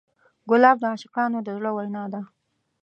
ګلاب د عاشقانو د زړه وینا ده.